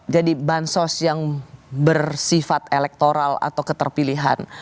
bansos yang bersifat elektoral atau keterpilihan